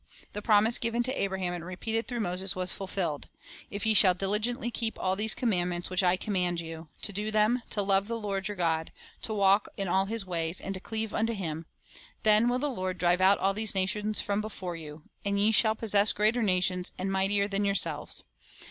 The promise given to Abraham and repeated through Moses was fulfilled: "If ye shall diligently keep all these commandments which I command you, to do them, to love the Lord your God, to walk in all His ways, and to cleave unto Him; then will the Lord drive out all these nations from before you, and ye shall possess greater nations and mightier than yourselves.